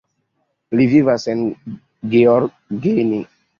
Li vivas en Gheorgheni.